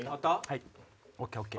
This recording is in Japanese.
はいＯＫＯＫ！